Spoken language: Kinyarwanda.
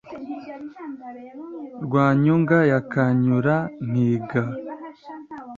rwa nyunga ya kanyura-nkiga